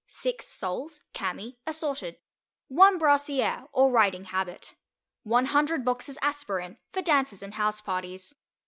6 Soles, cami, assorted. 1 Brassiere, or riding habit. 100 boxes aspirin, for dances and house parties.